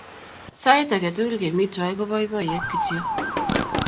Sait ake tukul kemi twai ko poipoyet kityo.